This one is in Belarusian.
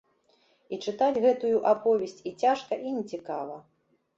І чытаць гэтую аповесць і цяжка, і нецікава.